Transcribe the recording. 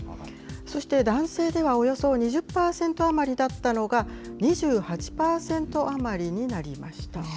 そして男性ではおよそ２０％余りだったのが２８％余りになりました。